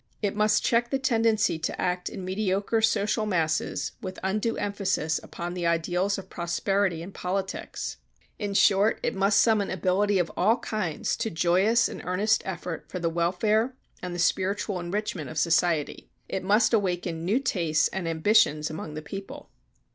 It must check the tendency to act in mediocre social masses with undue emphasis upon the ideals of prosperity and politics. In short, it must summon ability of all kinds to joyous and earnest effort for the welfare and the spiritual enrichment of society. It must awaken new tastes and ambitions among the people.